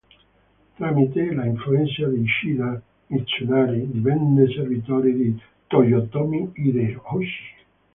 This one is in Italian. Tramite l'influenza di Ishida Mitsunari divenne servitore di Toyotomi Hideyoshi.